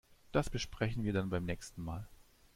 Das besprechen wir dann beim nächsten Mal.